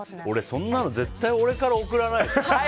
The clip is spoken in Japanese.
そんなの絶対俺から送らないですよ。